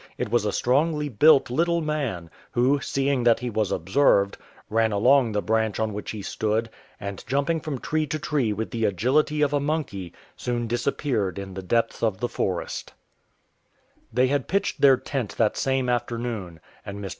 It was a strongly built little man, who, seeing that he was observed, ran along the branch on which he stood, and jumping from tree to tree with the agility of a monkey, soon disappeared in the depths of the forest. M 177 THE FRIENDLY PYGMIES They had pitched their tent that same afternoon, and IVIr.